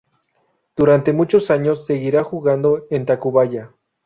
Durante muchos años seguirán jugando en Tacubaya.